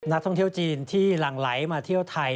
นักท่องเที่ยวจีนที่หลั่งไหลมาเที่ยวไทย